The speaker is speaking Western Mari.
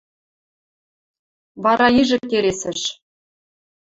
Вара ижӹ келесыш: